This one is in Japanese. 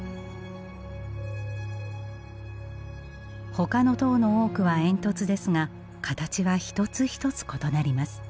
ほかの塔の多くは煙突ですが形は一つ一つ異なります。